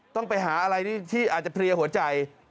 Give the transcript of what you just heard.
ต้องไปหาอะไรที่อาจจะเพลียหัวใจ